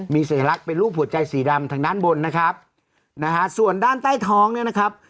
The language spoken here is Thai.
มีสัญลักษณ์เป็นรูปหัวใจสีดำทางด้านบนนะครับนะฮะส่วนด้านใต้ท้องเนี่ยนะครับ